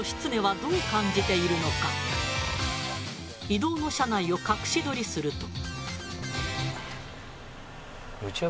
移動の車内を隠し撮りすると。